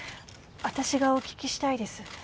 私がお聞きしたいです。